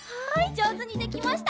じょうずにできました！